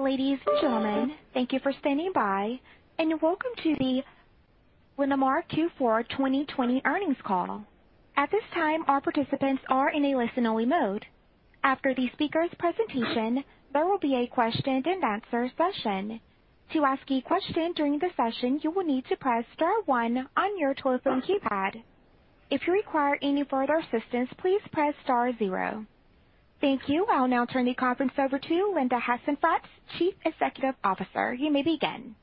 Ladies and gentlemen, thank you for standing by, and welcome to the Linamar Q4 2020 Earnings Call. At this time, our participants are in a listen-only mode. After the speaker's presentation, there will be a question-and-answer session. To ask a question during the session, you will need to press star one on your telephone keypad. If you require any further assistance, please press star zero. Thank you. I'll now turn the conference over to Linda Hasenfratz, Chief Executive Officer. You may begin.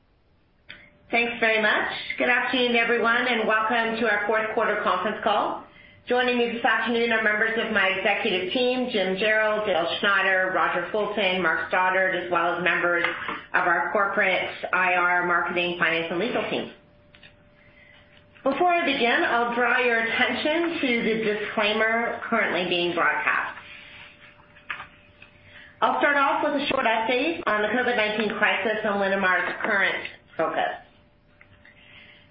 Thanks very much. Good afternoon, everyone, and welcome to our fourth quarter conference call. Joining me this afternoon are members of my executive team, Jim Jarrell, Dale Schneider, Roger Fulton, Mark Stoddart, as well as members of our corporate IR marketing, finance, and legal team. Before I begin, I'll draw your attention to the disclaimer currently being broadcast. I'll start off with a short essay on the COVID-19 crisis on Linamar's current focus.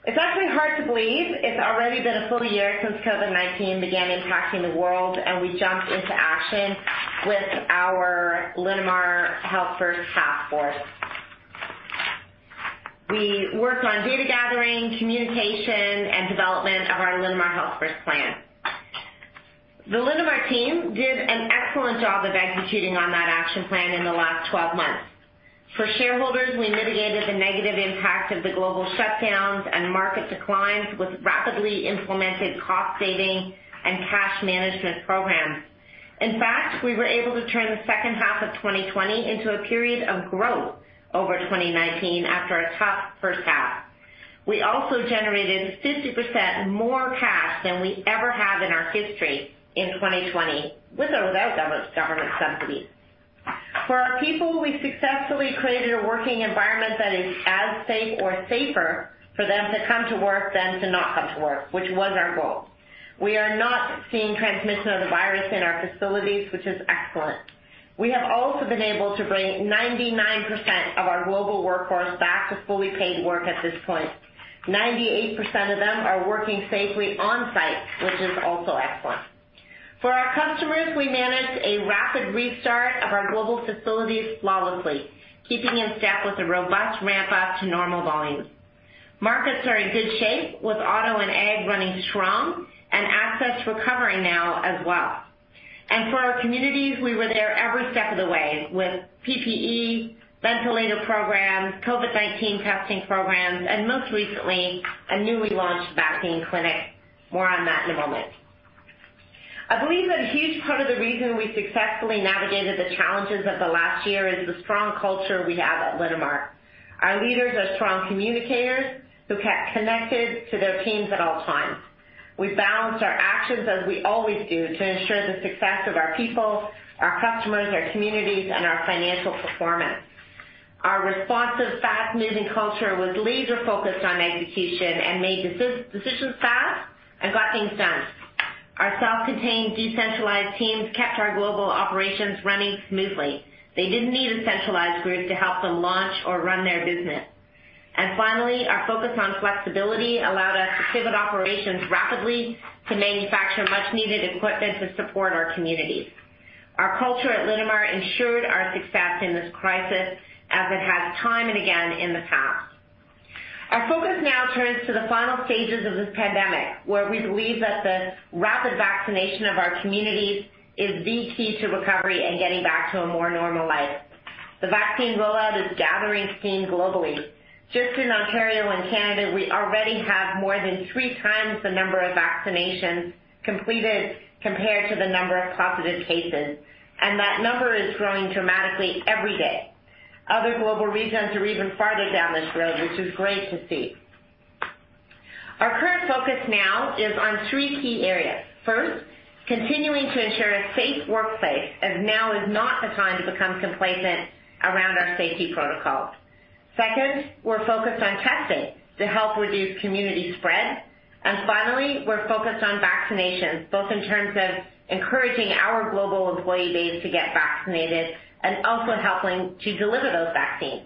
It's actually hard to believe it's already been a full year since COVID-19 began impacting the world, and we jumped into action with our Linamar Health First task force. We worked on data gathering, communication, and development of our Linamar Health First plan. The Linamar team did an excellent job of executing on that action plan in the last 12 months. For shareholders, we mitigated the negative impact of the global shutdowns and market declines with rapidly implemented cost-saving and cash management programs. In fact, we were able to turn the second half of 2020 into a period of growth over 2019 after a tough first half. We also generated 50% more cash than we ever have in our history in 2020 with or without government subsidy. For our people, we successfully created a working environment that is as safe or safer for them to come to work than to not come to work, which was our goal. We are not seeing transmission of the virus in our facilities, which is excellent. We have also been able to bring 99% of our global workforce back to fully paid work at this point. 98% of them are working safely on-site, which is also excellent. For our customers, we managed a rapid restart of our global facilities flawlessly, keeping in step with a robust ramp-up to normal volumes. Markets are in good shape, with auto and ag running strong and access recovering now as well. For our communities, we were there every step of the way with PPE, ventilator programs, COVID-19 testing programs, and most recently, a newly launched vaccine clinic. More on that in a moment. I believe that a huge part of the reason we successfully navigated the challenges of the last year is the strong culture we have at Linamar. Our leaders are strong communicators who kept connected to their teams at all times. We balanced our actions, as we always do, to ensure the success of our people, our customers, our communities, and our financial performance. Our responsive, fast-moving culture was laser-focused on execution and made decisions fast and got things done. Our self-contained decentralized teams kept our global operations running smoothly. They didn't need a centralized group to help them launch or run their business. Finally, our focus on flexibility allowed us to pivot operations rapidly to manufacture much-needed equipment to support our communities. Our culture at Linamar ensured our success in this crisis, as it has time and again in the past. Our focus now turns to the final stages of this pandemic, where we believe that the rapid vaccination of our communities is the key to recovery and getting back to a more normal life. The vaccine rollout is gathering steam globally. Just in Ontario and Canada, we already have more than three times the number of vaccinations completed compared to the number of positive cases, and that number is growing dramatically every day. Other global regions are even farther down this road, which is great to see. Our current focus now is on three key areas. First, continuing to ensure a safe workplace, as now is not the time to become complacent around our safety protocols. Second, we're focused on testing to help reduce community spread. Finally, we're focused on vaccinations, both in terms of encouraging our global employee base to get vaccinated and also helping to deliver those vaccines.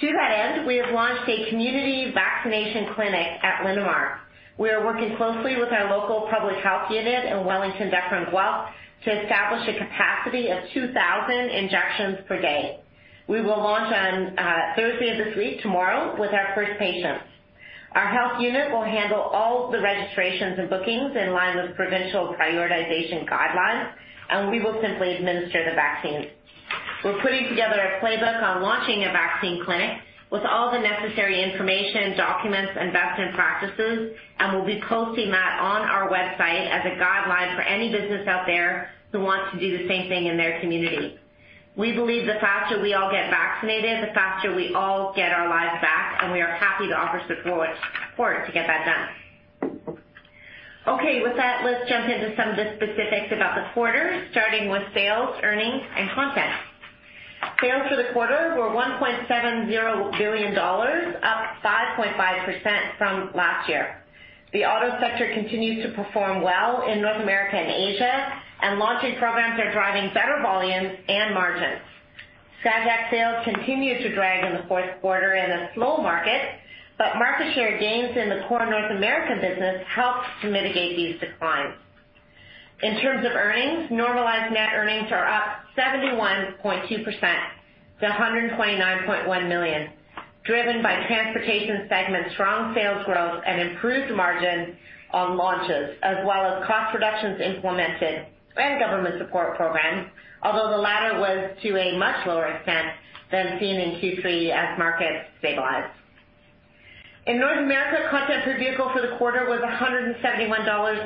To that end, we have launched a community vaccination clinic at Linamar. We are working closely with our local public health unit in Wellington-Dufferin-Guelph to establish a capacity of 2,000 injections per day. We will launch on Thursday of this week, tomorrow, with our first patients. Our health unit will handle all the registrations and bookings in line with provincial prioritization guidelines, and we will simply administer the vaccines. We're putting together a playbook on launching a vaccine clinic with all the necessary information, documents, and best practices, and we'll be posting that on our website as a guideline for any business out there who wants to do the same thing in their community. We believe the faster we all get vaccinated, the faster we all get our lives back, and we are happy to offer support to get that done. Okay. With that, let's jump into some of the specifics about the quarter, starting with sales, earnings, and content. Sales for the quarter were 1.70 billion dollars, up 5.5% from last year. The auto sector continues to perform well in North America and Asia, and launching programs are driving better volumes and margins. Skyjack sales continued to drag in the fourth quarter in a slow market, but market share gains in the core North American business helped to mitigate these declines. In terms of earnings, normalized net earnings are up 71.2% to 129.1 million, driven by Transportation segment's strong sales growth and improved margin on launches, as well as cost reductions implemented and government support programs. Although the latter was to a much lower extent than seen in Q3 as markets stabilized. In North America, content per vehicle for the quarter was 171.57 dollars,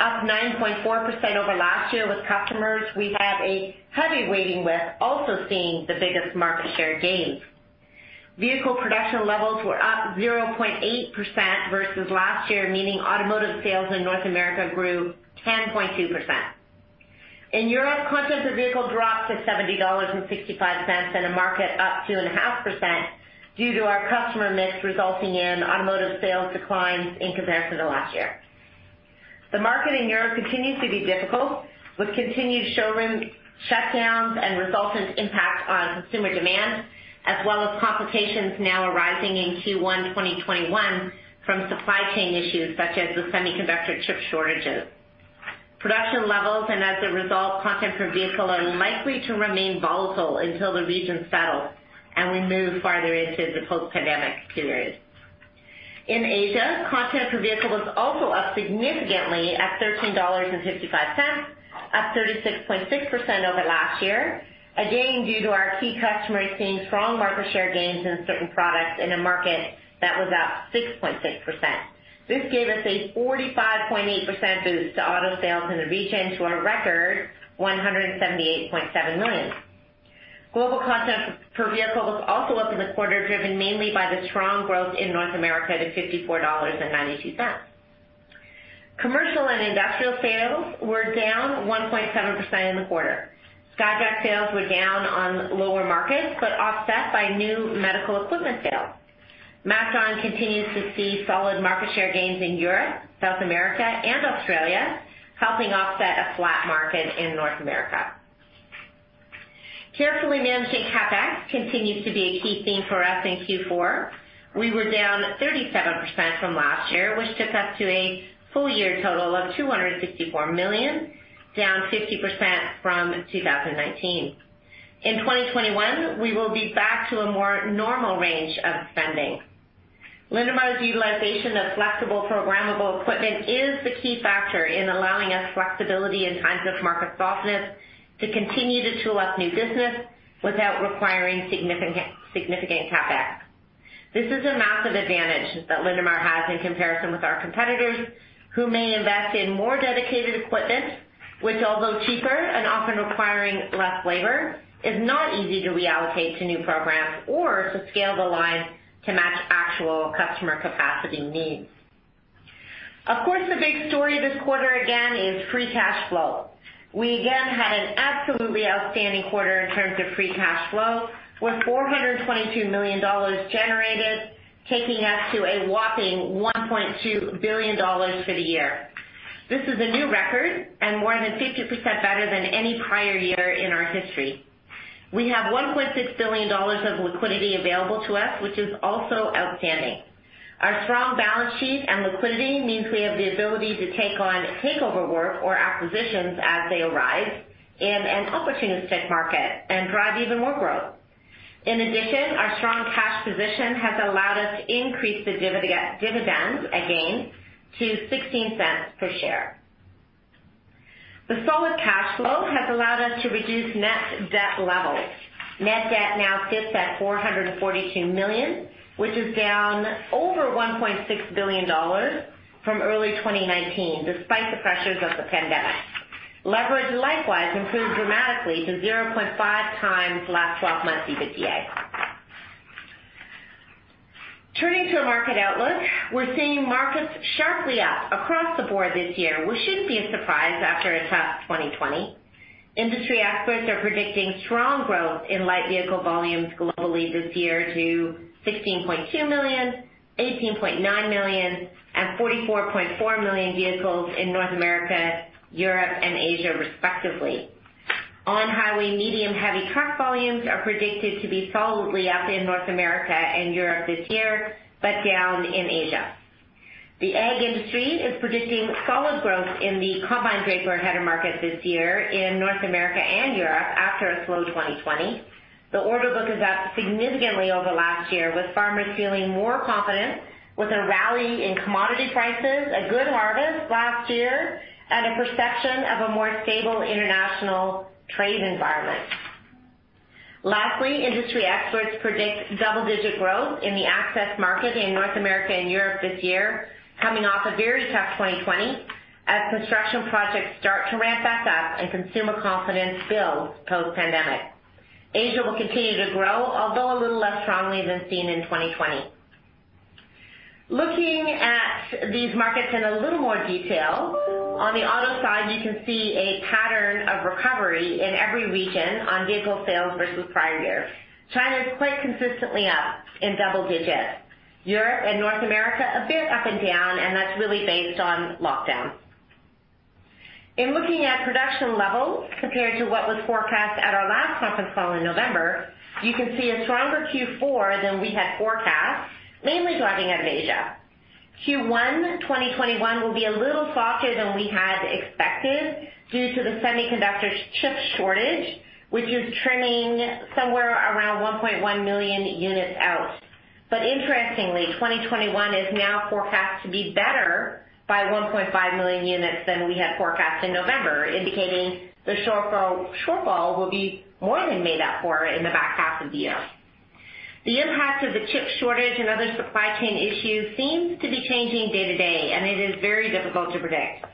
up 9.4% over last year with customers we have a heavy weighting with also seeing the biggest market share gains. Vehicle production levels were up 0.8% versus last year, meaning automotive sales in North America grew 10.2%. In Europe, content per vehicle dropped to 70.65 dollars in a market up 2.5% due to our customer mix resulting in automotive sales declines in comparison to last year. The market in Europe continues to be difficult, with continued showroom shutdowns and resultant impact on consumer demand, as well as complications now arising in Q1 2021 from supply chain issues such as the semiconductor chip shortages. Production levels, and as a result, content per vehicle, are likely to remain volatile until the region settles and we move farther into the post-pandemic period. In Asia, content per vehicle was also up significantly at 13.55 dollars, up 36.6% over last year, again, due to our key customers seeing strong market share gains in certain products in a market that was up 6.6%. This gave us a 45.8% boost to auto sales in the region to a record 178.7 million. Global content per vehicle was also up in the quarter, driven mainly by the strong growth in North America to 54.92 dollars. Commercial and Industrial sales were down 1.7% in the quarter. Skyjack sales were down on lower markets, but offset by new medical equipment sales. MacDon continues to see solid market share gains in Europe, South America, and Australia, helping offset a flat market in North America. Carefully managing CapEx continues to be a key theme for us in Q4. We were down 37% from last year, which took us to a full year total of 264 million, down 50% from 2019. In 2021, we will be back to a more normal range of spending. Linamar's utilization of flexible programmable equipment is the key factor in allowing us flexibility in times of market softness to continue to tool up new business without requiring significant CapEx. This is a massive advantage that Linamar has in comparison with our competitors, who may invest in more dedicated equipment, which although cheaper and often requiring less labor, is not easy to reallocate to new programs or to scale the line to match actual customer capacity needs. Of course, the big story this quarter again is free cash flow. We again had an absolutely outstanding quarter in terms of free cash flow, with 422 million dollars generated, taking us to a whopping 1.2 billion dollars for the year. This is a new record and more than 50% better than any prior year in our history. We have 1.6 billion dollars of liquidity available to us, which is also outstanding. Our strong balance sheet and liquidity means we have the ability to take on takeover work or acquisitions as they arise in an opportunistic market and drive even more growth. In addition, our strong cash position has allowed us to increase the dividend again to 0.16 per share. The solid cash flow has allowed us to reduce net debt levels. Net debt now sits at 442 million, which is down over 1.6 billion dollars from early 2019, despite the pressures of the pandemic. Leverage likewise improved dramatically to 0.5x last 12 months EBITDA. Turning to our market outlook, we're seeing markets sharply up across the board this year, which shouldn't be a surprise after a tough 2020. Industry experts are predicting strong growth in light vehicle volumes globally this year to 16.2 million, 18.9 million, and 44.4 million vehicles in North America, Europe, and Asia, respectively. On-highway medium heavy truck volumes are predicted to be solidly up in North America and Europe this year, but down in Asia. The ag industry is predicting solid growth in the combine harvester market this year in North America and Europe after a slow 2020. The order book is up significantly over last year, with farmers feeling more confident with a rally in commodity prices, a good harvest last year, and a perception of a more stable international trade environment. Industry experts predict double-digit growth in the access market in North America and Europe this year, coming off a very tough 2020 as construction projects start to ramp back up and consumer confidence builds post-pandemic. Asia will continue to grow, although a little less strongly than seen in 2020. Looking at these markets in a little more detail, on the auto side you can see a pattern of recovery in every region on vehicle sales versus prior year. China is quite consistently up in double digits. Europe and North America, a bit up and down. That's really based on lockdowns. In looking at production levels compared to what was forecast at our last conference call in November, you can see a stronger Q4 than we had forecast, mainly driving out of Asia. Q1 2021 will be a little softer than we had expected due to the semiconductor chip shortage, which is trimming somewhere around 1.1 million units out. Interestingly, 2021 is now forecast to be better by 1.5 million units than we had forecast in November, indicating the shortfall will be more than made up for in the back half of the year. The impact of the chip shortage and other supply chain issues seems to be changing day to day, and it is very difficult to predict.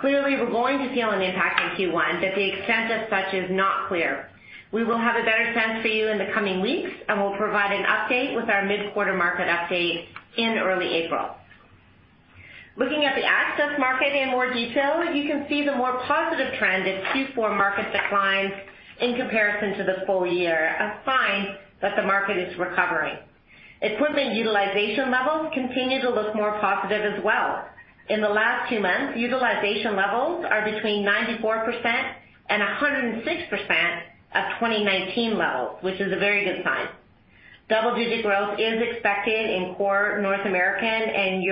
Clearly, we're going to feel an impact in Q1, but the extent of such is not clear. We will have a better sense for you in the coming weeks, and we'll provide an update with our mid-quarter market update in early April. Looking at the access market in more detail, you can see the more positive trend in Q4 market declines in comparison to the full year, a sign that the market is recovering. Equipment utilization levels continue to look more positive as well. In the last two months, utilization levels are between 94% and 106% of 2019 levels, which is a very good sign. Double-digit growth is expected in core North American and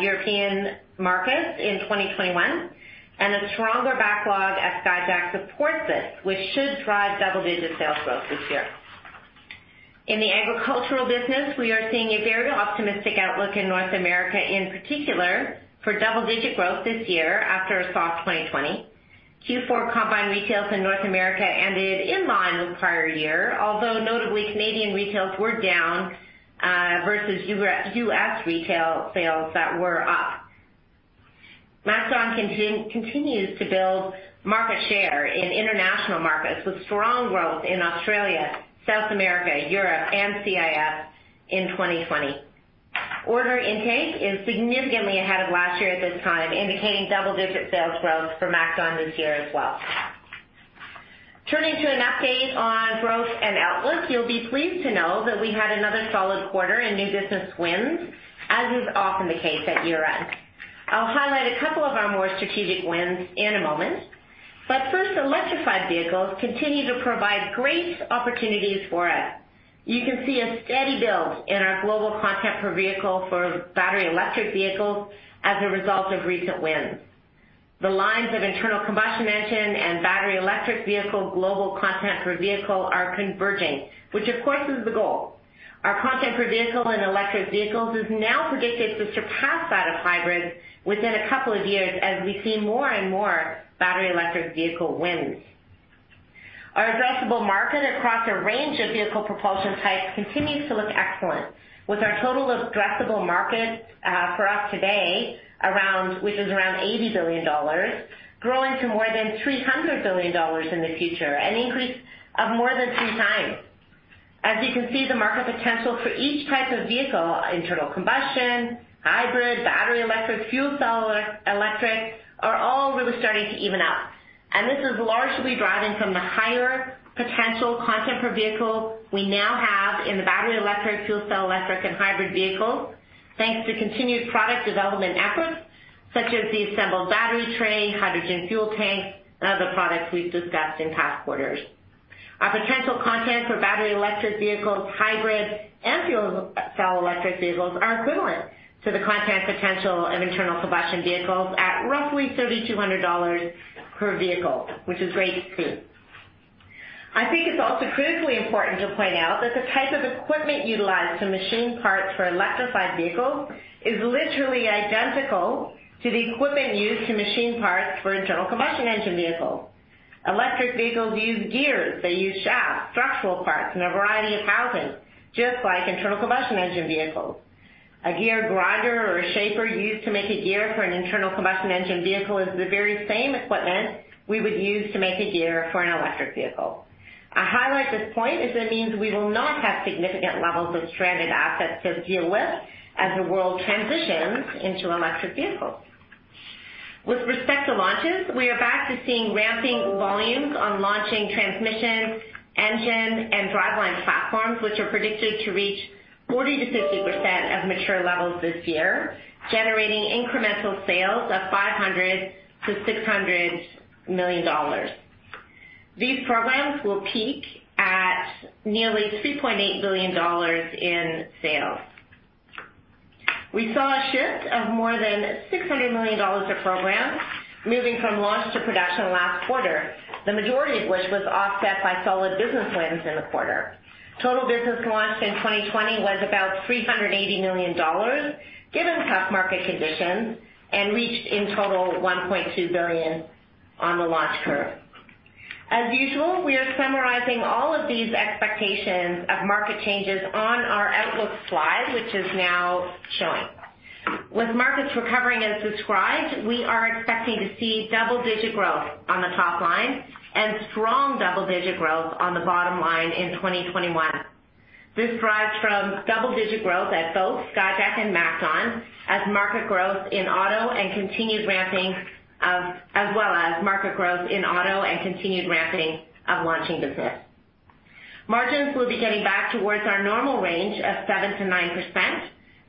European markets in 2021, and a stronger backlog at Skyjack supports this, which should drive double-digit sales growth this year. In the agricultural business, we are seeing a very optimistic outlook in North America, in particular, for double-digit growth this year after a soft 2020. Q4 combine retails in North America ended in line with prior year, although notably, Canadian retails were down versus U.S. retail sales that were up. MacDon continues to build market share in international markets with strong growth in Australia, South America, Europe, and CIS in 2020. Order intake is significantly ahead of last year at this time, indicating double-digit sales growth for MacDon this year as well. Turning to an update on growth and outlook, you'll be pleased to know that we had another solid quarter in new business wins, as is often the case at year-end. I'll highlight a couple of our more strategic wins in a moment. First, electrified vehicles continue to provide great opportunities for us. You can see a steady build in our global content per vehicle for battery electric vehicles as a result of recent wins. The lines of internal combustion engine and battery electric vehicle global content per vehicle are converging, which of course is the goal. Our content per vehicle in electric vehicles is now predicted to surpass that of hybrids within a couple of years as we see more and more battery electric vehicle wins. Our addressable market across a range of vehicle propulsion types continues to look excellent, with our total addressable market for us today, which is around 80 billion dollars, growing to more than 300 billion dollars in the future, an increase of more than three times. As you can see, the market potential for each type of vehicle, internal combustion, hybrid, battery electric, fuel cell electric, are all really starting to even out. This is largely driven from the higher potential content per vehicle we now have in the battery electric, fuel cell electric, and hybrid vehicles, thanks to continued product development efforts such as the assembled battery tray, hydrogen fuel tank, and other products we've discussed in past quarters. Our potential content for battery electric vehicles, hybrid, and fuel cell electric vehicles are equivalent to the content potential of internal combustion vehicles at roughly 3,200 dollars per vehicle, which is great too. I think it's also critically important to point out that the type of equipment utilized to machine parts for electrified vehicles is literally identical to the equipment used to machine parts for internal combustion engine vehicles. Electric vehicles use gears, they use shafts, structural parts, and a variety of housings, just like internal combustion engine vehicles. A gear grinder or a shaper used to make a gear for an internal combustion engine vehicle is the very same equipment we would use to make a gear for an electric vehicle. I highlight this point as it means we will not have significant levels of stranded assets to deal with as the world transitions into electric vehicles. With respect to launches, we are back to seeing ramping volumes on launching transmission, engine, and driveline platforms, which are predicted to reach 40%-50% of mature levels this year, generating incremental sales of 500 million-600 million dollars. These programs will peak at nearly 3.8 billion dollars in sales. We saw a shift of more than 600 million dollars of programs moving from launch to production last quarter, the majority of which was offset by solid business wins in the quarter. Total business launched in 2020 was about 380 million dollars, given tough market conditions, and reached in total 1.2 billion on the launch curve. As usual, we are summarizing all of these expectations of market changes on our outlook slide, which is now showing. With markets recovering as described, we are expecting to see double-digit growth on the top line and strong double-digit growth on the bottom line in 2021. This derives from double-digit growth at both Skyjack and MacDon as well as market growth in auto and continued ramping of launching business. Margins will be getting back towards our normal range of 7%-9%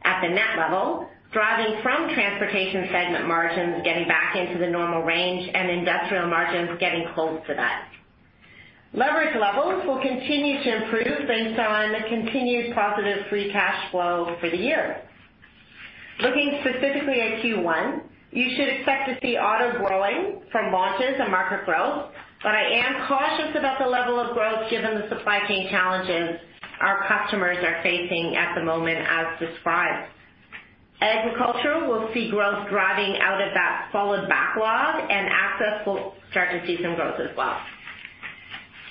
at the net level, driving from Transportation segment margins getting back into the normal range, and Industrial margins getting close to that. Leverage levels will continue to improve based on continued positive free cash flow for the year. Looking specifically at Q1, you should expect to see auto growing from launches and market growth, but I am cautious about the level of growth given the supply chain challenges our customers are facing at the moment, as described. Agricultural will see growth driving out of that solid backlog, and access will start to see some growth as well.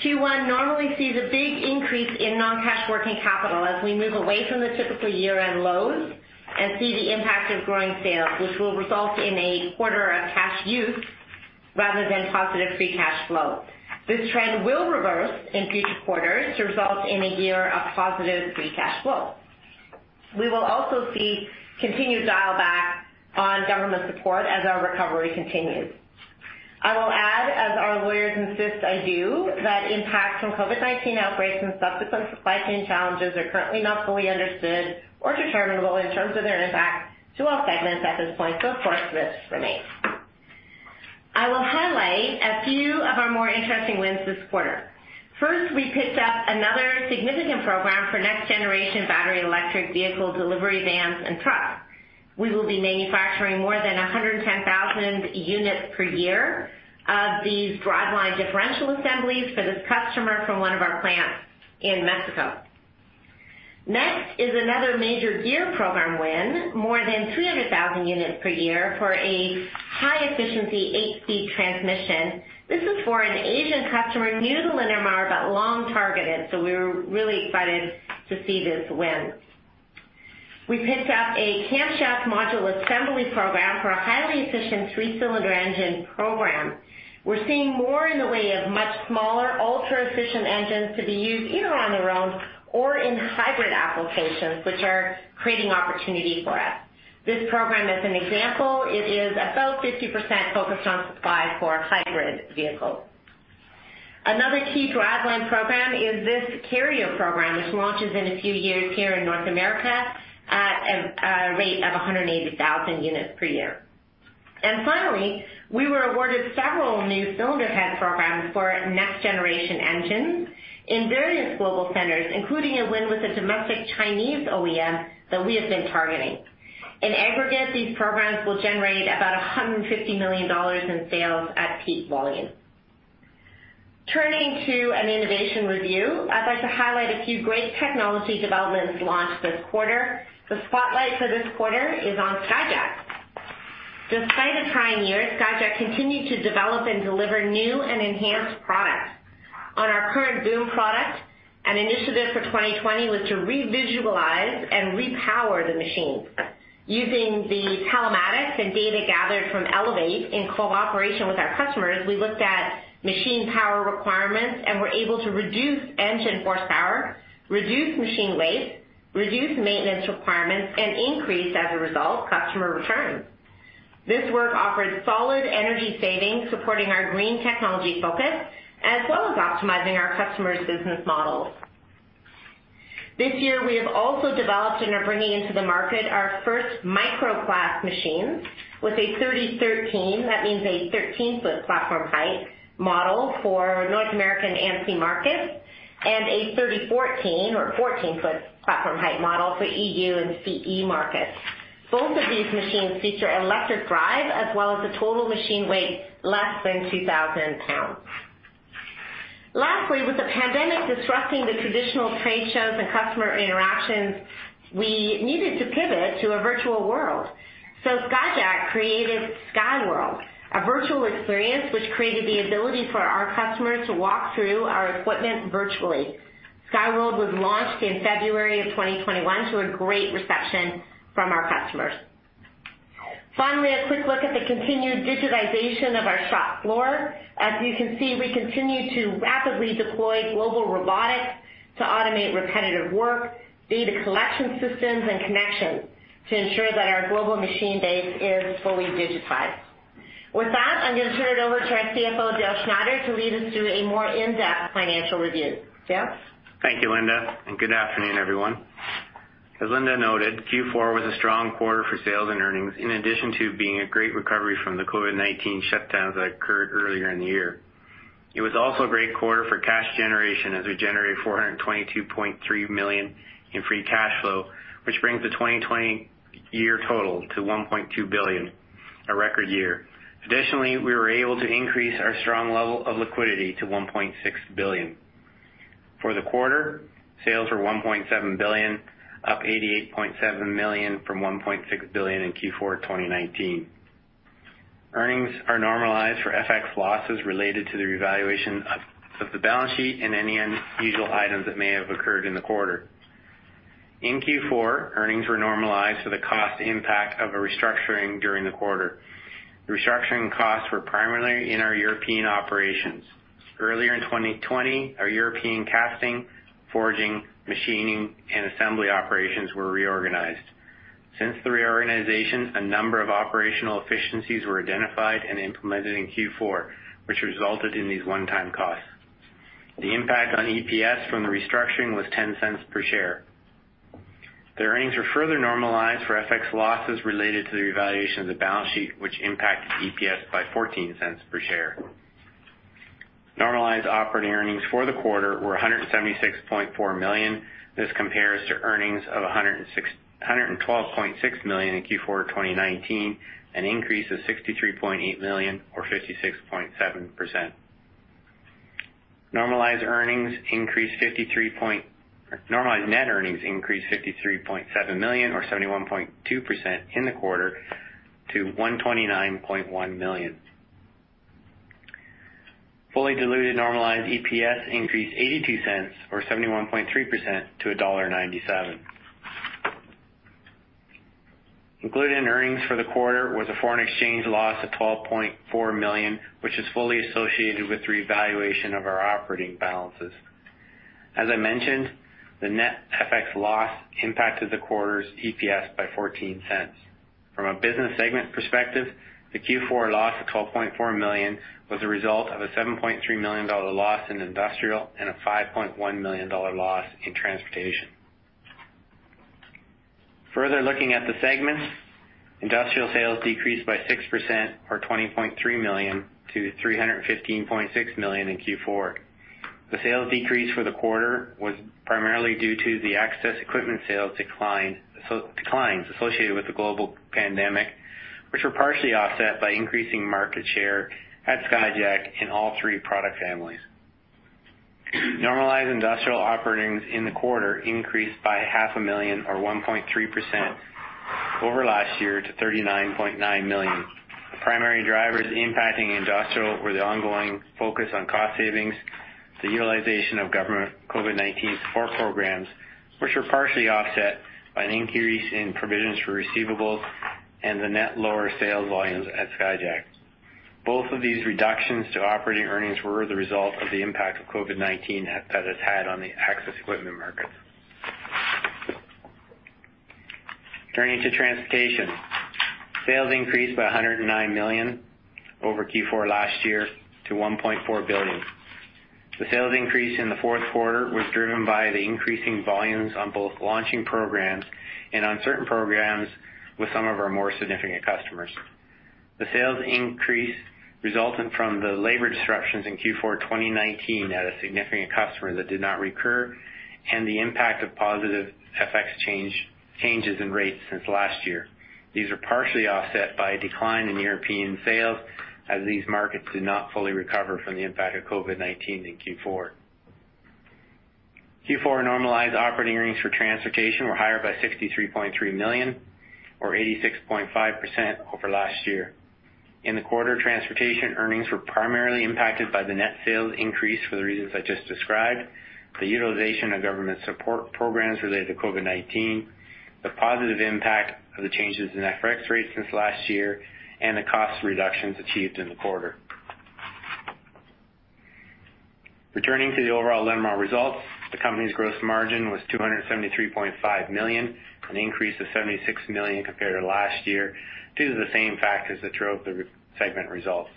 Q1 normally sees a big increase in non-cash working capital as we move away from the typical year-end lows and see the impact of growing sales, which will result in a quarter of cash use rather than positive free cash flow. This trend will reverse in future quarters to result in a year of positive free cash flow. We will also see continued dial back on government support as our recovery continues. I will add, as our lawyers insist I do, that impact from COVID-19 outbreaks and subsequent supply chain challenges are currently not fully understood or determinable in terms of their impact to all segments at this point. Of course, risks remain. I will highlight a few of our more interesting wins this quarter. First, we picked up another significant program for next generation battery electric vehicle delivery vans and trucks. We will be manufacturing more than 110,000 units per year of these driveline differential assemblies for this customer from one of our plants in Mexico. Next is another major gear program win, more than 300,000 units per year for a high-efficiency eight-speed transmission. This is for an Asian customer new to Linamar, but long targeted. We're really excited to see this win. We picked up a camshaft module assembly program for a highly efficient three-cylinder engine program. We're seeing more in the way of much smaller, ultra-efficient engines to be used either on their own or in hybrid applications, which are creating opportunity for us. This program is an example. It is about 50% focused on supply for hybrid vehicles. Another key driveline program is this carrier program, which launches in a few years here in North America at a rate of 180,000 units per year. Finally, we were awarded several new cylinder head programs for next-generation engines in various global centers, including a win with a domestic Chinese OEM that we have been targeting. In aggregate, these programs will generate about 150 million dollars in sales at peak volume. Turning to an innovation review, I'd like to highlight a few great technology developments launched this quarter. The spotlight for this quarter is on Skyjack. Despite a trying year, Skyjack continued to develop and deliver new and enhanced products. On our current boom product, an initiative for 2020 was to revisualize and repower the machine. Using the telematics and data gathered from ELEVATE in cooperation with our customers, we looked at machine power requirements and were able to reduce engine horsepower, reduce machine waste, reduce maintenance requirements, and increase, as a result, customer return. This work offers solid energy savings, supporting our green technology focus, as well as optimizing our customers' business models. This year, we have also developed and are bringing into the market our first micro class machine with a 3013, that means a 13 ft platform height model for North American ANSI markets, and a 3014 or 14 ft platform height model for EU and CE markets. Both of these machines feature electric drive as well as a total machine weight less than 2,000 pounds. Lastly, with the pandemic disrupting the traditional trade shows and customer interactions, we needed to pivot to a virtual world. Skyjack created SKYWORLD, a virtual experience which created the ability for our customers to walk through our equipment virtually. SKYWORLD was launched in February of 2021 to a great reception from our customers. Finally, a quick look at the continued digitization of our shop floor. As you can see, we continue to rapidly deploy global robotics to automate repetitive work, data collection systems, and connections to ensure that our global machine base is fully digitized. With that, I'm going to turn it over to our CFO, Dale Schneider, to lead us through a more in-depth financial review. Dale? Thank you, Linda, and good afternoon, everyone. As Linda noted, Q4 was a strong quarter for sales and earnings, in addition to being a great recovery from the COVID-19 shutdowns that occurred earlier in the year. It was also a great quarter for cash generation, as we generated 422.3 million in free cash flow, which brings the 2020 year total to 1.2 billion, a record year. Additionally, we were able to increase our strong level of liquidity to 1.6 billion. For the quarter, sales were 1.7 billion, up 88.7 million from 1.6 billion in Q4 2019. Earnings are normalized for FX losses related to the revaluation of the balance sheet and any unusual items that may have occurred in the quarter. In Q4, earnings were normalized for the cost impact of a restructuring during the quarter. The restructuring costs were primarily in our European operations. Earlier in 2020, our European casting, forging, machining, and assembly operations were reorganized. Since the reorganization, a number of operational efficiencies were identified and implemented in Q4, which resulted in these one-time costs. The impact on EPS from the restructuring was 0.10 per share. The earnings were further normalized for FX losses related to the revaluation of the balance sheet, which impacted EPS by 0.14 per share. Normalized operating earnings for the quarter were 176.4 million. This compares to earnings of 112.6 million in Q4 2019, an increase of 63.8 million or 56.7%. Normalized net earnings increased 53.7 million or 71.2% in the quarter to 129.1 million. Fully diluted normalized EPS increased 0.82 or 71.3% to dollar 1.97. Included in earnings for the quarter was a foreign exchange loss of 12.4 million, which is fully associated with the revaluation of our operating balances. As I mentioned, the net FX loss impacted the quarter's EPS by 0.14. From a business segment perspective, the Q4 loss of 12.4 million was a result of a 7.3 million dollar loss in Industrial and a 5.1 million dollar loss in Transportation. Further looking at the segments, Industrial sales decreased by 6% or 20.3 million to 315.6 million in Q4. The sales decrease for the quarter was primarily due to the access equipment sales declines associated with the global pandemic, which were partially offset by increasing market share at Skyjack in all three product families. Normalized Industrial operating in the quarter increased by half a million or 1.3% over last year to 39.9 million. The primary drivers impacting Industrial were the ongoing focus on cost savings, the utilization of government COVID-19 support programs, which were partially offset by an increase in provisions for receivables and the net lower sales volumes at Skyjack. Both of these reductions to operating earnings were the result of the impact of COVID-19 that it's had on the access equipment markets. Turning to Transportation. Sales increased by 109 million over Q4 last year to 1.4 billion. The sales increase in the fourth quarter was driven by the increasing volumes on both launching programs and on certain programs with some of our more significant customers. The sales increase resulted from the labor disruptions in Q4 2019 at a significant customer that did not recur, the impact of positive FX changes in rates since last year. These are partially offset by a decline in European sales as these markets did not fully recover from the impact of COVID-19 in Q4. Q4 normalized operating earnings for Transportation were higher by 63.3 million or 86.5% over last year. In the quarter, Transportation earnings were primarily impacted by the net sales increase for the reasons I just described, the utilization of government support programs related to COVID-19, the positive impact of the changes in FX rates since last year, and the cost reductions achieved in the quarter. Returning to the overall Linamar results, the company's gross margin was 273.5 million, an increase of 76 million compared to last year due to the same factors that drove the segment results.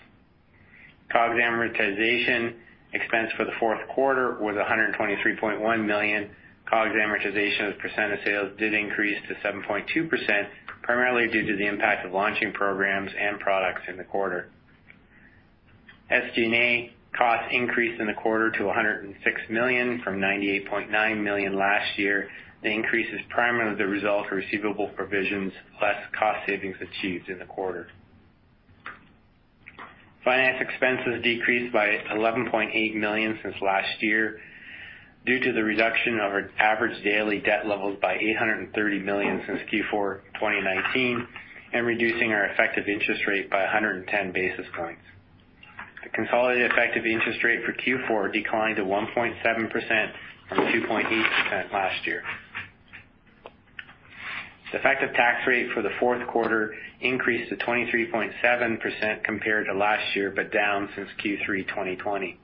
COGS amortization expense for the fourth quarter was 123.1 million. COGS amortization as a percent of sales did increase to 7.2%, primarily due to the impact of launching programs and products in the quarter. SG&A costs increased in the quarter to 106 million from 98.9 million last year. The increase is primarily the result of receivable provisions less cost savings achieved in the quarter. Finance expenses decreased by 11.8 million since last year due to the reduction of our average daily debt levels by 830 million since Q4 2019, and reducing our effective interest rate by 110 basis points. The consolidated effective interest rate for Q4 declined to 1.7% from 2.8% last year. The effective tax rate for the fourth quarter increased to 23.7% compared to last year, but down since Q3 2020.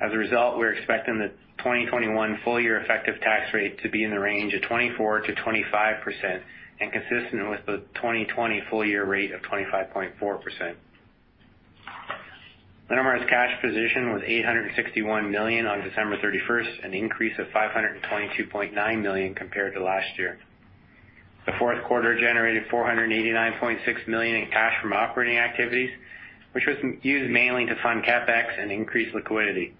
As a result, we're expecting the 2021 full year effective tax rate to be in the range of 24%-25% and consistent with the 2020 full year rate of 25.4%. Linamar's cash position was 861 million on December 31st, an increase of 522.9 million compared to last year. The fourth quarter generated 489.6 million in cash from operating activities, which was used mainly to fund CapEx and increase liquidity.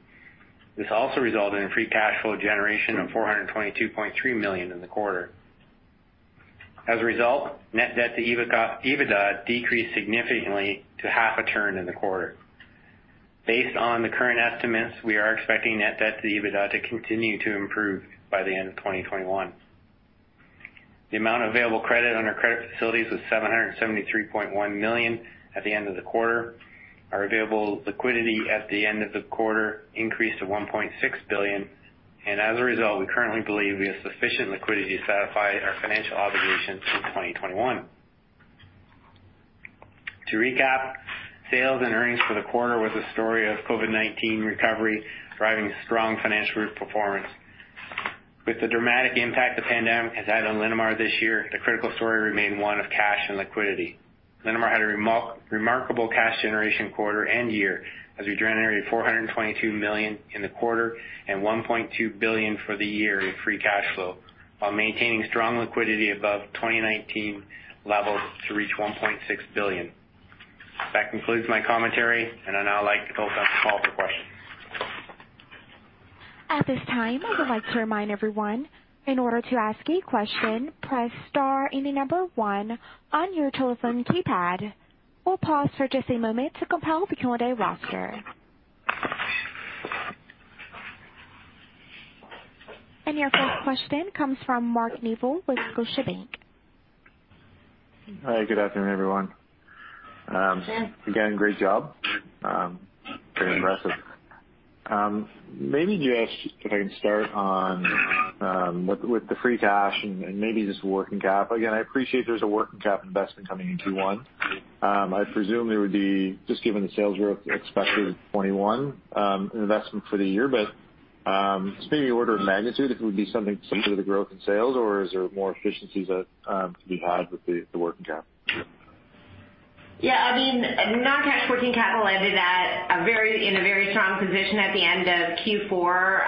This also resulted in free cash flow generation of 422.3 million in the quarter. As a result, net debt to EBITDA decreased significantly to half a turn in the quarter. Based on the current estimates, we are expecting net debt to EBITDA to continue to improve by the end of 2021. The amount of available credit on our credit facilities was 773.1 million at the end of the quarter. Our available liquidity at the end of the quarter increased to 1.6 billion, and as a result, we currently believe we have sufficient liquidity to satisfy our financial obligations through 2021. To recap, sales and earnings for the quarter was a story of COVID-19 recovery driving strong financial performance. With the dramatic impact the pandemic has had on Linamar this year, the critical story remained one of cash and liquidity. Linamar had a remarkable cash generation quarter and year as we generated 422 million in the quarter and 1.2 billion for the year in free cash flow while maintaining strong liquidity above 2019 levels to reach 1.6 billion. That concludes my commentary, and I'd now like to open up the call for questions. At this time, I would like to remind everyone, in order to ask a question, press star and the number one on your telephone keypad. We'll pause for just a moment to compile the call roster. Your first question comes from Mark Neville with Scotiabank. Hi, good afternoon, everyone. Again, great job. Thanks. Very impressive. Maybe just if I can start on with the free cash and maybe just working cap. Again, I appreciate there's a working cap investment coming in Q1. I presume there would be, just given the sales growth expected in 2021, an investment for the year. Just maybe order of magnitude, if it would be something similar to the growth in sales or is there more efficiencies that can be had with the working cap? Yeah, non-cash working capital ended in a very strong position at the end of Q4.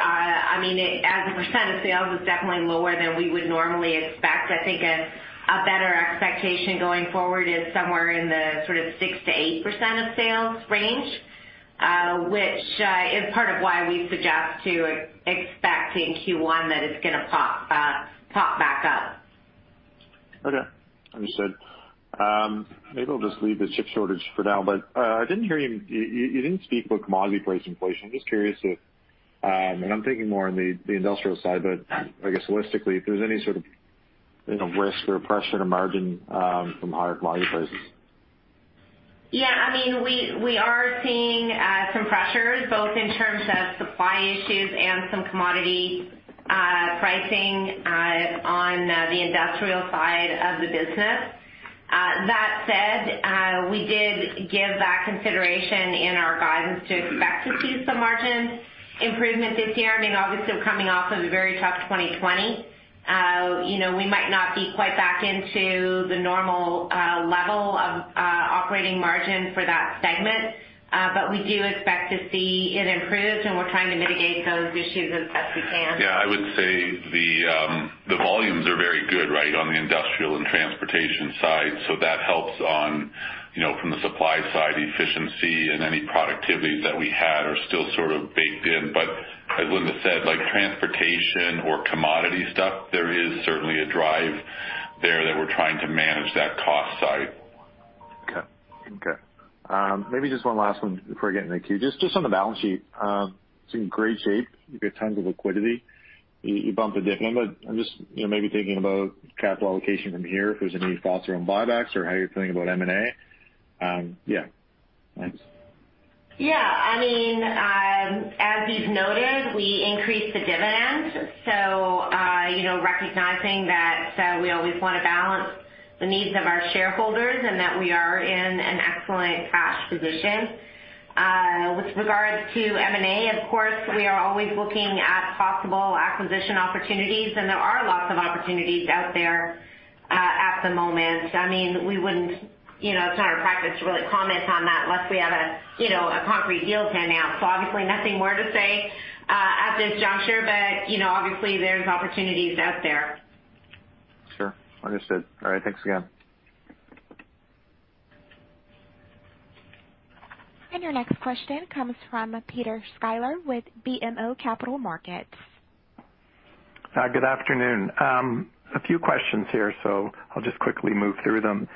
As a percent of sales is definitely lower than we would normally expect. I think a better expectation going forward is somewhere in the sort of 6%-8% of sales range, which is part of why we suggest to expecting Q1 that it's going to pop back up. Okay. Understood. Maybe I'll just leave the chip shortage for now, but you didn't speak about commodity price inflation. I'm just curious if, and I'm thinking more on the Industrial side, but I guess holistically, if there's any sort of risk or pressure to margin from higher commodity prices. Yeah, we are seeing some pressures both in terms of supply issues and some commodity pricing on the Industrial side of the business. That said, we did give that consideration in our guidance to expect to see some margin improvement this year. Obviously, we're coming off of a very tough 2020. We might not be quite back into the normal level of operating margin for that segment. But we do expect to see it improve, and we're trying to mitigate those issues as best we can. Yeah, I would say the volumes are very good on the Industrial and Transportation side. That helps from the supply side efficiency and any productivities that we had are still sort of baked in. As Linda said, like transportation or commodity stuff, there is certainly a drive there that we're trying to manage that cost side. Okay. Maybe just one last one before I get into the queue. Just on the balance sheet. It's in great shape. You've got tons of liquidity. You bumped the dividend, but I'm just maybe thinking about capital allocation from here. If there's any thoughts around buybacks or how you're feeling about M&A. Yeah. Thanks. Yeah. As you've noted, we increased the dividend. Recognizing that we always want to balance the needs of our shareholders and that we are in an excellent cash position. With regards to M&A, of course, we are always looking at possible acquisition opportunities, and there are lots of opportunities out there at the moment. It's not our practice to really comment on that unless we have a concrete deal to announce. Obviously nothing more to say at this juncture, but obviously there's opportunities out there. Sure. Understood. All right. Thanks again. Your next question comes from Peter Sklar with BMO Capital Markets. Good afternoon. A few questions here, so I'll just quickly move through them.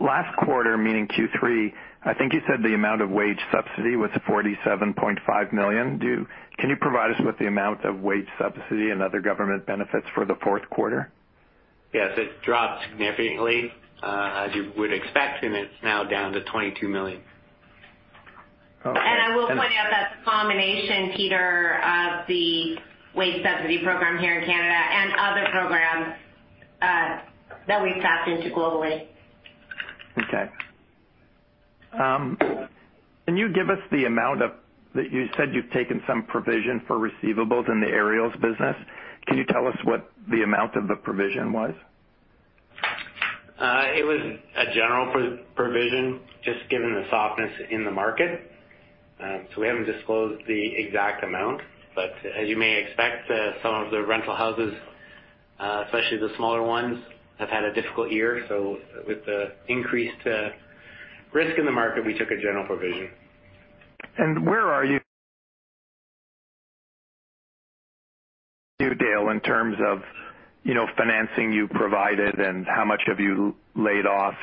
Last quarter, meaning Q3, I think you said the amount of wage subsidy was 47.5 million. Can you provide us with the amount of wage subsidy and other government benefits for the fourth quarter? Yes, it dropped significantly as you would expect, and it's now down to 22 million. Okay. I will point out that's a combination, Peter, of the wage subsidy program here in Canada and other programs that we've tapped into globally. Okay. You said you've taken some provision for receivables in the Aerials business. Can you tell us what the amount of the provision was? It was a general provision, just given the softness in the market. We haven't disclosed the exact amount. As you may expect, some of the rental houses, especially the smaller ones, have had a difficult year. With the increased risk in the market, we took a general provision. Where are you, Dale, in terms of financing you provided and how much have you laid off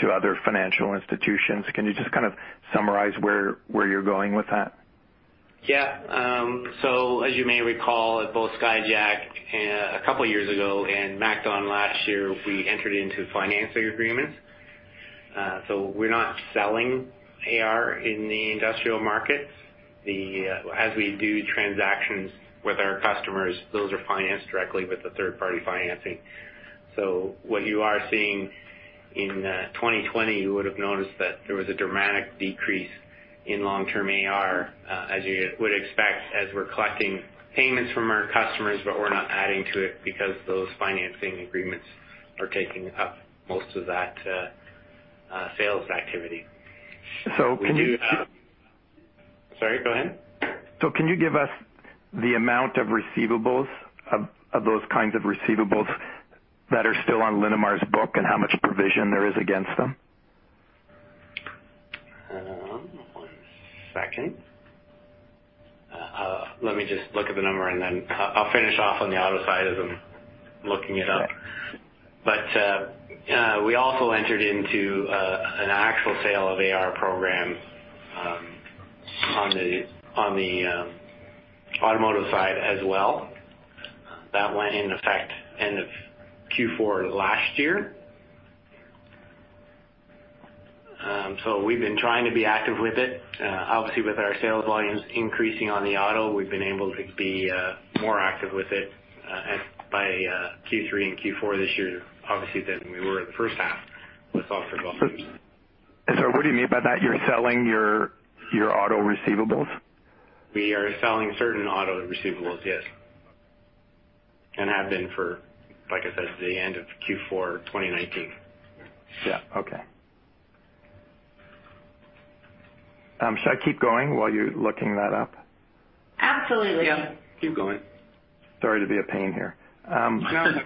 to other financial institutions? Can you just kind of summarize where you're going with that? Yeah. As you may recall, at both Skyjack a couple of years ago and MacDon last year, we entered into financing agreements. We're not selling AR in the Industrial markets. As we do transactions with our customers, those are financed directly with the third-party financing. What you are seeing in 2020, you would have noticed that there was a dramatic decrease in long-term AR, as you would expect, as we're collecting payments from our customers, but we're not adding to it because those financing agreements are taking up most of that sales activity. So can you- Sorry, go ahead. Can you give us the amount of receivables, of those kinds of receivables that are still on Linamar's book and how much provision there is against them? One second. Let me just look at the number and then I'll finish off on the auto side as I'm looking it up. We also entered into an actual sale of AR program on the automotive side as well. That went in effect end of Q4 last year. We've been trying to be active with it. Obviously, with our sales volumes increasing on the auto, we've been able to be more active with it, by Q3 and Q4 this year, obviously, than we were in the first half with softer volumes. What do you mean by that? You're selling your auto receivables? We are selling certain auto receivables, yes, and have been for, like I said, the end of Q4 2019. Yeah. Okay. Should I keep going while you're looking that up? Absolutely. Yeah. Keep going. Sorry to be a pain here. No, it's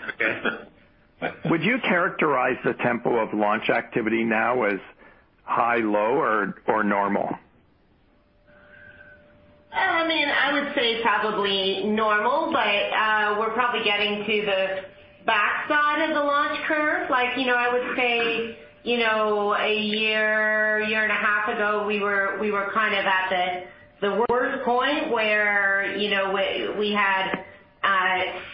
okay. Would you characterize the tempo of launch activity now as high, low or normal? I would say probably normal, but we're probably getting to the backside of the launch curve. I would say, a year and a half ago, we were kind of at the worst point where we had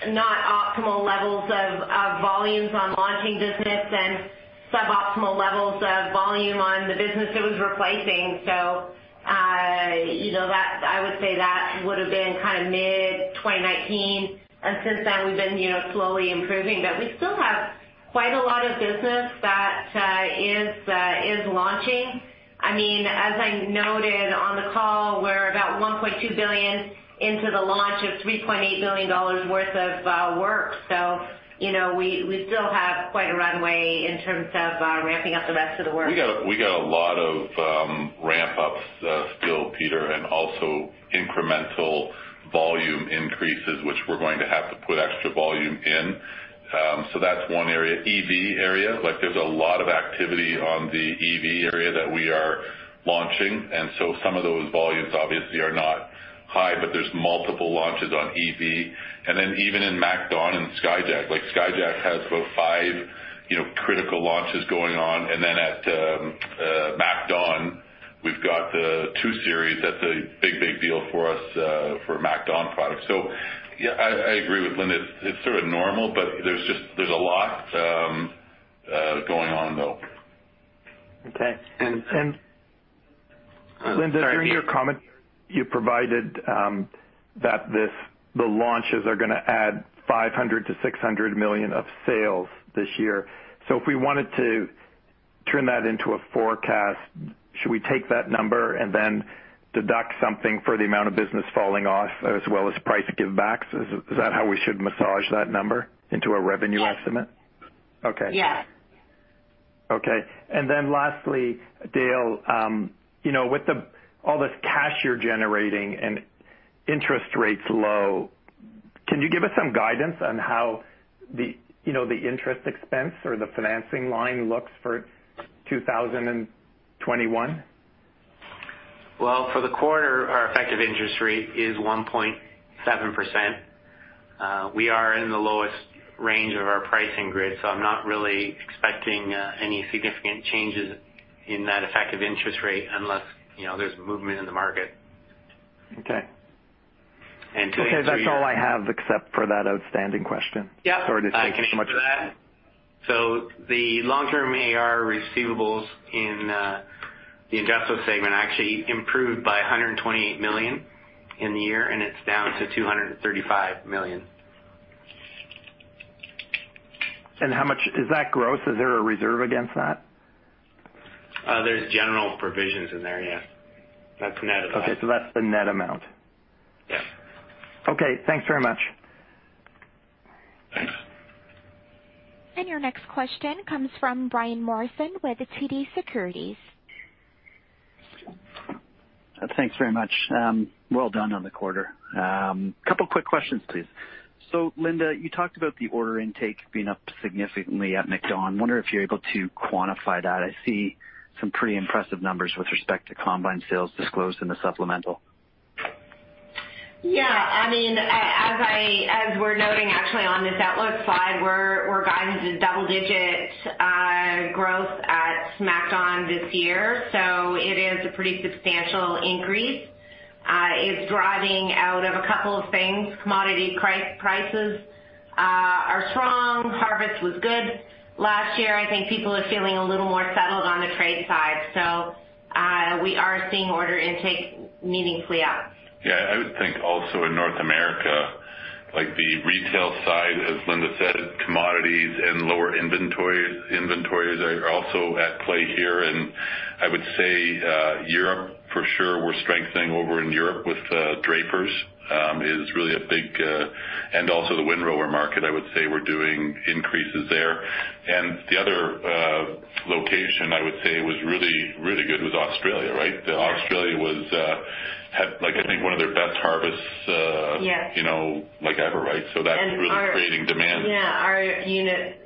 not optimal levels of volumes on launching business and suboptimal levels of volume on the business it was replacing. I would say that would've been kind of mid-2019, and since then we've been slowly improving. We still have quite a lot of business that is launching. As I noted on the call, we're about 1.2 billion into the launch of 3.8 billion dollars worth of work. We still have quite a runway in terms of ramping up the rest of the work. We got a lot of ramp ups still, Peter, and also incremental volume increases, which we're going to have to put extra volume in. That's one area. EV area, there's a lot of activity on the EV area that we are launching. Some of those volumes obviously are not high, but there's multiple launches on EV. Even in MacDon and Skyjack, like Skyjack has about five critical launches going on. At MacDon, we've got the two series. That's a big, big deal for us for MacDon products. Yeah, I agree with Linda. It's sort of normal, but there's a lot going on, though. Okay. Linda, during your comment, you provided that the launches are going to add 500 million-600 million of sales this year. If we wanted to turn that into a forecast, should we take that number and then deduct something for the amount of business falling off as well as price give backs? Is that how we should massage that number into a revenue estimate? Yes. Okay. Yeah. Okay. Lastly, Dale, with all this cash you're generating and interest rates low, can you give us some guidance on how the interest expense or the financing line looks for 2021? Well, for the quarter, our effective interest rate is 1.7%. We are in the lowest range of our pricing grid, so I'm not really expecting any significant changes in that effective interest rate unless there's movement in the market. Okay. And to answer your- Okay. That's all I have except for that outstanding question. Yep. Sorry to take so much of your time. I can answer that. The long-term AR receivables in the Industrial segment actually improved by 128 million in the year, and it's down to 235 million. How much is that gross? Is there a reserve against that? There's general provisions in there, yeah. That's net of that. Okay. That's the net amount. Yeah. Okay. Thanks very much. Thanks. Your next question comes from Brian Morrison with TD Securities. Thanks very much. Well done on the quarter. Couple quick questions, please. Linda, you talked about the order intake being up significantly at MacDon. Wonder if you're able to quantify that. I see some pretty impressive numbers with respect to combined sales disclosed in the supplemental. Yeah. As we're noting actually on this outlook slide, we're guided to double-digit growth at MacDon this year. It is a pretty substantial increase. It's driving out of a couple of things. Commodity prices are strong. Harvest was good last year. I think people are feeling a little more settled on the trade side. We are seeing order intake meaningfully up. Yeah, I would think also in North America, the retail side, as Linda said, commodities and lower inventories are also at play here. I would say Europe for sure. We're strengthening over in Europe with drapers. Also the windrower market, I would say we're doing increases there. The other location I would say was really, really good was Australia, right? Yes. Australia had, I think, one of their best harvests- Yes.... like ever, right? That's really creating demand. Yeah. Our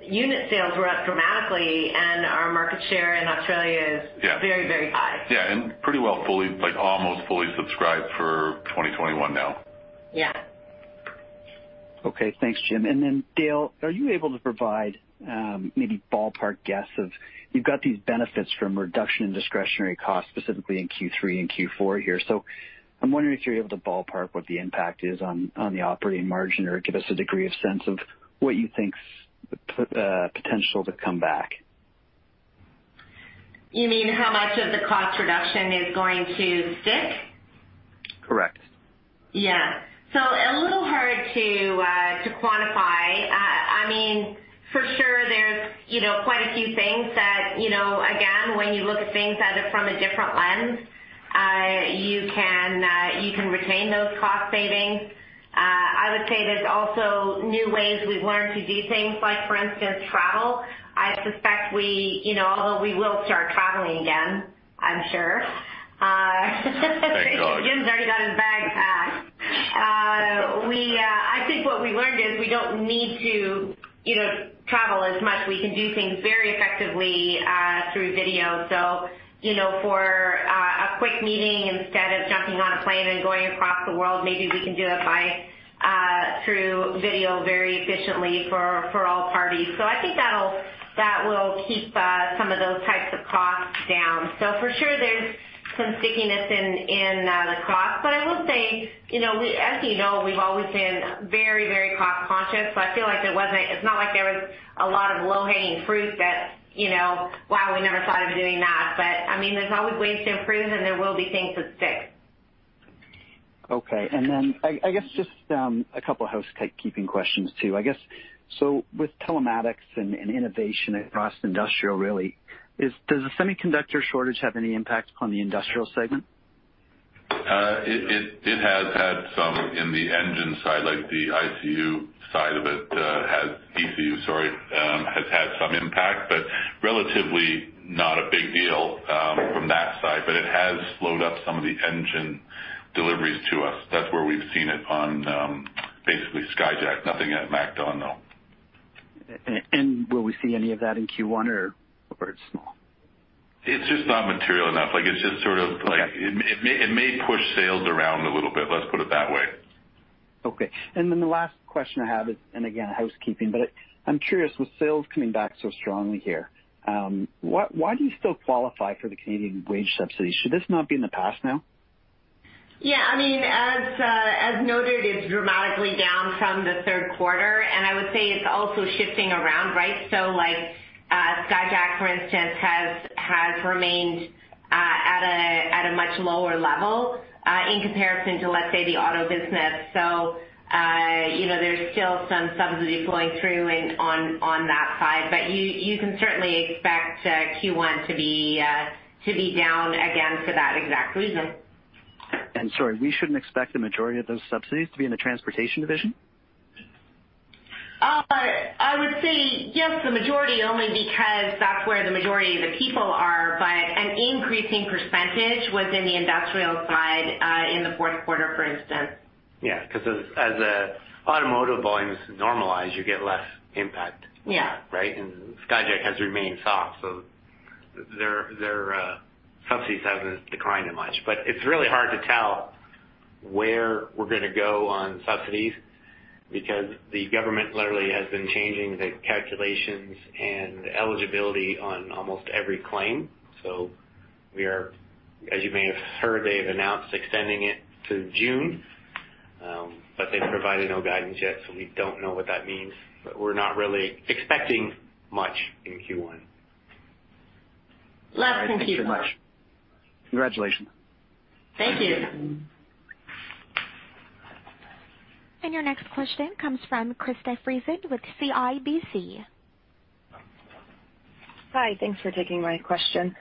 unit sales were up dramatically, and our market share in Australia is- Yeah.... very, very high. Yeah. Pretty well fully, like almost fully subscribed for 2021 now. Yeah. Okay. Thanks, Jim. Dale, are you able to provide maybe ballpark guess of, you've got these benefits from reduction in discretionary costs, specifically in Q3 and Q4 here. I'm wondering if you're able to ballpark what the impact is on the operating margin or give us a degree of sense of what you think's potential to come back. You mean how much of the cost reduction is going to stick? Correct. Yeah. A little hard to quantify. For sure there's quite a few things that, again, when you look at things at it from a different lens, you can retain those cost savings. I would say there's also new ways we've learned to do things, like for instance, travel. I suspect we will start traveling again, I'm sure. Thank God. Jim's already got his bag packed. I think what we learned is we don't need to travel as much. We can do things very effectively through video. For a quick meeting, instead of jumping on a plane and going across the world, maybe we can do it through video very efficiently for all parties. I think that will keep some of those types of costs down. For sure, there's some stickiness in the costs. I will say, as you know, we've always been very cost conscious. I feel it's not like there was a lot of low-hanging fruit that, wow, we never thought of doing that. There's always ways to improve and there will be things that stick. Okay. I guess just a couple of housekeeping questions, too. I guess, with telematics and innovation across Industrial really, does the semiconductor shortage have any impact upon the Industrial segment? It has had some in the engine side, like the ECU side of it has had some impact, but relatively not a big deal from that side. It has slowed up some of the engine deliveries to us. That's where we've seen it on basically Skyjack. Nothing at MacDon, though. Will we see any of that in Q1 or it's small? It's just not material enough. Okay. It may push sales around a little bit, let's put it that way. Okay. The last question I have is, again, housekeeping, I'm curious, with sales coming back so strongly here, why do you still qualify for the Canadian wage subsidy? Should this not be in the past now? Yeah. As noted, it's dramatically down from the third quarter, and I would say it's also shifting around, right? Skyjack, for instance, has remained at a much lower level in comparison to, let's say, the auto business. There's still some subsidies flowing through on that side. You can certainly expect Q1 to be down again for that exact reason. Sorry, we shouldn't expect the majority of those subsidies to be in the Transportation division? I would say yes, the majority, only because that's where the majority of the people are. An increasing percentage was in the Industrial side in the fourth quarter, for instance. Yeah. As the automotive volumes normalize, you get less impact. Yeah. Right? Skyjack has remained soft, their subsidies haven't declined much. It's really hard to tell where we're going to go on subsidies because the government literally has been changing the calculations and eligibility on almost every claim. As you may have heard, they've announced extending it to June. They've provided no guidance yet, we don't know what that means. We're not really expecting much in Q1. Less than Q4. Thank you very much. Congratulations. Thank you. Your next question comes from Krista Friesen with CIBC. Hi. Thanks for taking my question.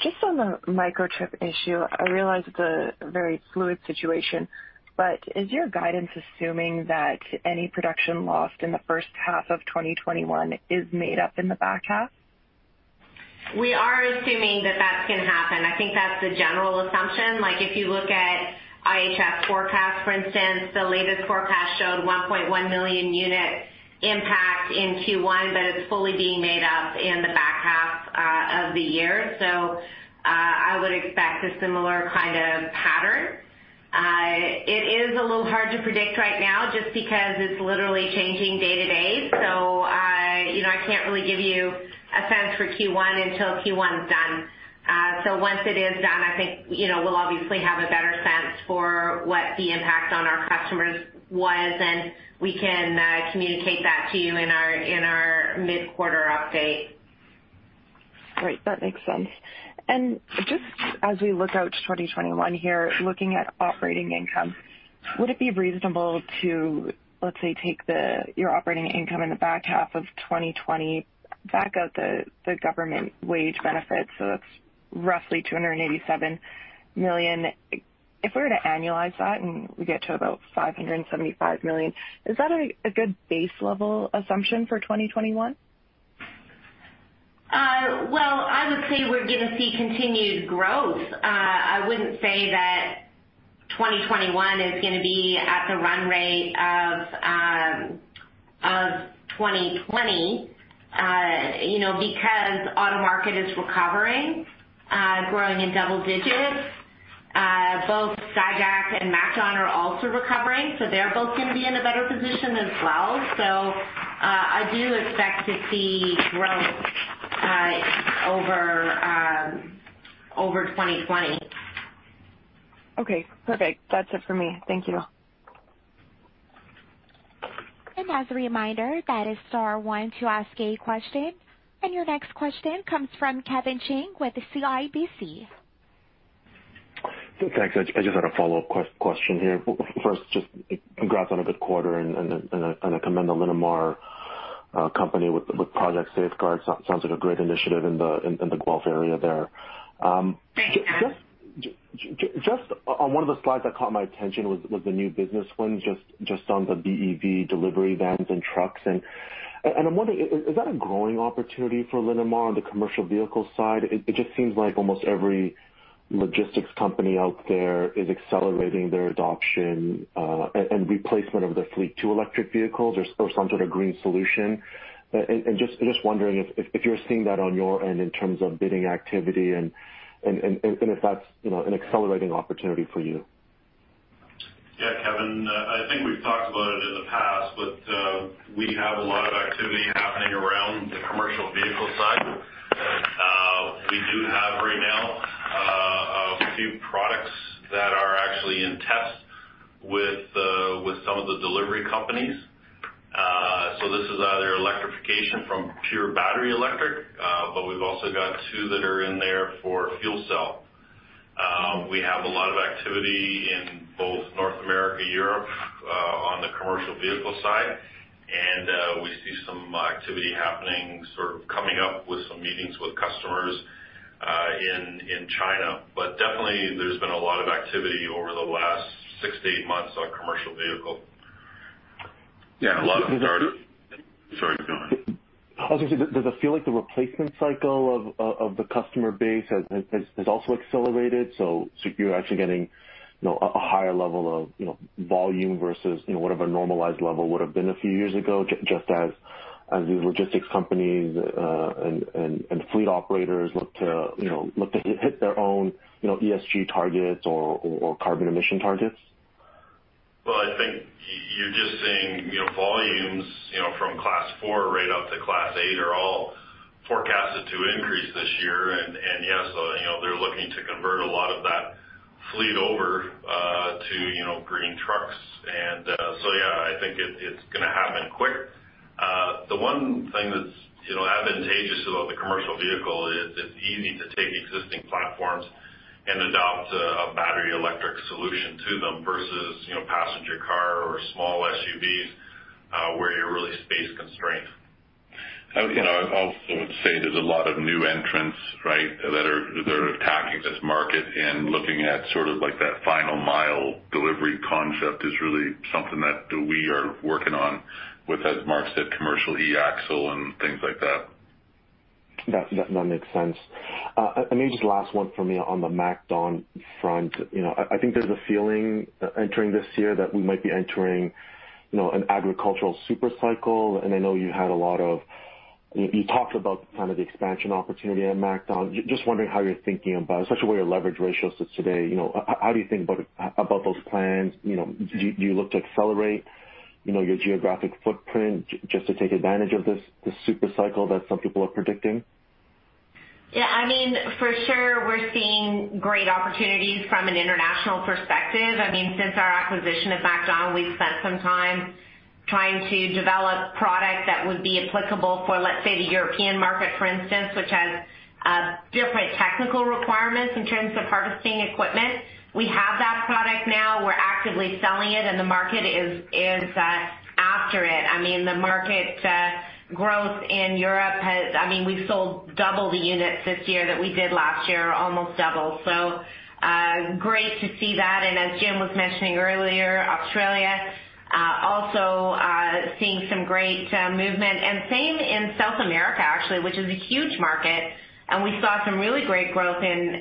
Just on the microchip issue, I realize it's a very fluid situation, but is your guidance assuming that any production lost in the first half of 2021 is made up in the back half? We are assuming that that's going to happen. I think that's the general assumption. If you look at IHS forecasts, for instance, the latest forecast showed 1.1 million unit impact in Q1, but it's fully being made up in the back half of the year. I would expect a similar kind of pattern. It is a little hard to predict right now just because it's literally changing day to day. I can't really give you a sense for Q1 until Q1's done. Once it is done, I think we'll obviously have a better sense for what the impact on our customers was, and we can communicate that to you in our mid-quarter update. Right. That makes sense. Just as we look out to 2021 here, looking at operating income, would it be reasonable to, let's say, take your operating income in the back half of 2020, back out the government wage benefits, so that's roughly 287 million. If we were to annualize that and we get to about 575 million, is that a good base level assumption for 2021? I would say we're going to see continued growth. I wouldn't say that 2021 is going to be at the run rate of 2020 because auto market is recovering, growing in double digits. Both Skyjack and MacDon are also recovering, so they're both going to be in a better position as well. I do expect to see growth over 2020. Okay, perfect. That's it for me. Thank you. As a reminder, that is star one to ask a question. Your next question comes from Kevin Chiang with CIBC. Thanks. I just had a follow-up question here. First, just congrats on a good quarter and I commend the Linamar company with Project Safeguard. Sounds like a great initiative in the Guelph area there. Thanks, Kevin. Just on one of the slides that caught my attention was the new business one, just on the BEV delivery vans and trucks. I'm wondering, is that a growing opportunity for Linamar on the commercial vehicle side? It just seems like almost every logistics company out there is accelerating their adoption and replacement of their fleet to electric vehicles or some sort of green solution. Just wondering if you're seeing that on your end in terms of bidding activity and if that's an accelerating opportunity for you. Yeah. Kevin, I think we've talked about it in the past, but we have a lot of activity happening around the commercial vehicle side. We do have right now, a few products that are actually in test with some of the delivery companies. This is either electrification from pure battery electric, but we've also got two that are in there for fuel cell. We have a lot of activity in both North America, Europe on the commercial vehicle side. We see some activity happening, sort of coming up with some meetings with customers in China. Definitely there's been a lot of activity over the last six to eight months on commercial vehicle. Yeah, a lot of- Sorry, go ahead. I was going to say, does it feel like the replacement cycle of the customer base has also accelerated? You're actually getting a higher level of volume versus whatever normalized level would've been a few years ago, just as these logistics companies and fleet operators look to hit their own ESG targets or carbon emission targets? Well, I think you're just seeing volumes from class four right up to class eight are all forecasted to increase this year. Yes, they're looking to convert a lot of that fleet over to green trucks. Yeah, I think it's gonna happen quick. The one thing that's advantageous about the commercial vehicle is it's easy to take existing platforms and adopt a battery electric solution to them versus passenger car or small SUVs where you're really space constrained. You know, I also would say there's a lot of new entrants, right, that are attacking this market and looking at sort of like that final mile delivery concept is really something that we are working on with, as Mark said, commercial eAxle and things like that. That makes sense. Maybe just last one from me on the MacDon front. I think there's a feeling entering this year that we might be entering an agricultural super cycle, and I know you talked about kind of the expansion opportunity at MacDon. Just wondering how you're thinking about, especially where your leverage ratio sits today, how do you think about those plans? Do you look to accelerate your geographic footprint just to take advantage of this super cycle that some people are predicting? Yeah, for sure we're seeing great opportunities from an international perspective. Since our acquisition of MacDon, we've spent some time trying to develop product that would be applicable for, let's say, the European market, for instance, which has different technical requirements in terms of harvesting equipment. We have that product now. We're actively selling it, the market is after it. The market growth in Europe, I mean, we've sold double the units this year that we did last year, almost double. Great to see that. As Jim was mentioning earlier, Australia also seeing some great movement. Same in South America actually, which is a huge market, and we saw some really great growth in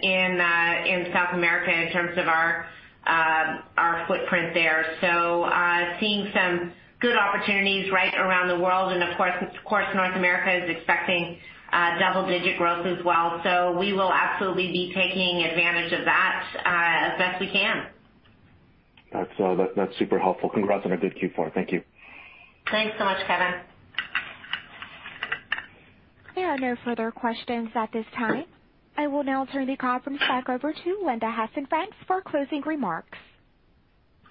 South America in terms of our footprint there. Seeing some good opportunities right around the world. Of course, North America is expecting double-digit growth as well. We will absolutely be taking advantage of that as best we can. That's super helpful. Congrats on a good Q4. Thank you. Thanks so much, Kevin. There are no further questions at this time. I will now turn the conference back over to Linda Hasenfratz for closing remarks.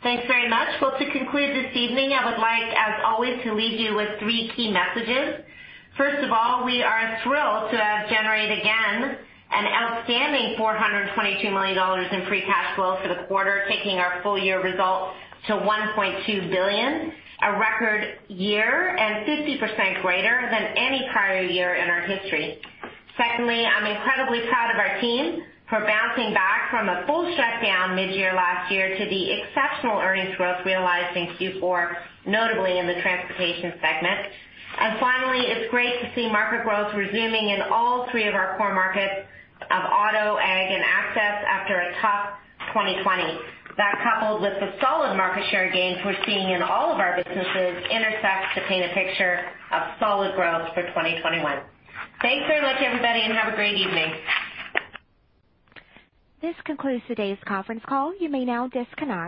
Thanks very much. Well, to conclude this evening, I would like, as always, to leave you with three key messages. First of all, we are thrilled to have generated again an outstanding 422 million dollars in free cash flow for the quarter, taking our full year results to 1.2 billion, a record year, and 50% greater than any prior year in our history. Secondly, I'm incredibly proud of our team for bouncing back from a full shutdown mid-year last year to the exceptional earnings growth realized in Q4, notably in the Transportation segment. Finally, it's great to see market growth resuming in all three of our core markets of auto, ag, and access after a tough 2020. That, coupled with the solid market share gains we're seeing in all of our businesses, intersects to paint a picture of solid growth for 2021. Thanks very much, everybody, and have a great evening. This concludes today's conference call. You may now disconnect.